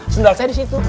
sendal saya di situ